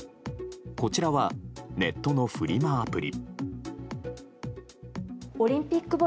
こちらは、ネットのフリマアプリ。